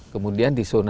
kemudian di zona dua